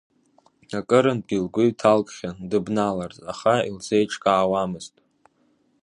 Акырынтәгьы лгәы иҭалкхьан дыбналарц, аха илзеиҿкаауамызт.